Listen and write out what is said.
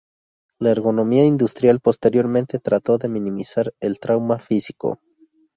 La ergonomía industrial posteriormente trató de minimizar el trauma físico.